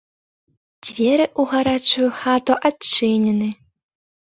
Дзверы ў гарачую хату адчынены.